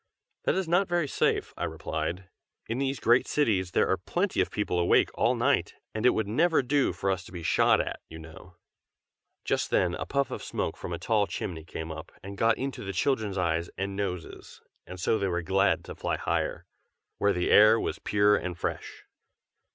"That is not very safe!" I replied. "In these great cities there are plenty of people awake all night; and it would never do for us to be shot at, you know." Just then a puff of smoke from a tall chimney came up, and got into the children's eyes and noses, so that they were glad to fly higher, where the air was pure, and fresh.